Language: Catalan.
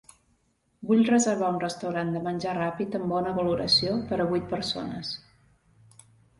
Vull reservar un restaurant de menjar ràpid amb bona valoració per a vuit persones.